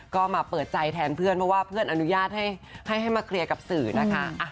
ก็มาเปิดใจแทนเพื่อนเพราะว่าเพื่อนอนุญาตให้มาเคลียร์กับสื่อนะคะ